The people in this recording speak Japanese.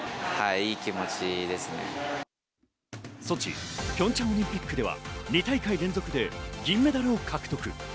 ソチ、ピョンチャンオリンピックでは２大会連続で銀メダルを獲得。